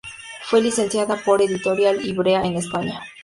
Fue licenciada por Editorial Ivrea en España.